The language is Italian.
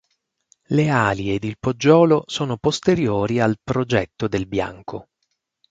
Le ali ed il poggiolo sono posteriori al progetto del Bianco.